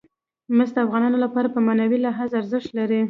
مس د افغانانو لپاره په معنوي لحاظ ارزښت لري.